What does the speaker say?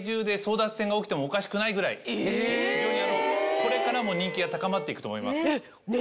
これからも人気が高まって行くと思います。